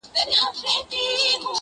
د شګو بند اوبه وړي -